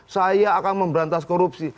saya akan memberantas korupsi